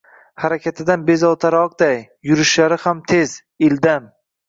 Harakatidan bezovtaroqday, yurishlari ham tez, ildam